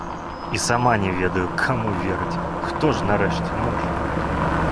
І сама не ведаю, каму верыць, хто ж, нарэшце, муж?